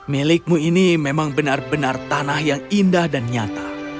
milikmu ini memang benar benar tanah yang indah dan nyata